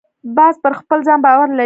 باز پر خپل ځان باور لري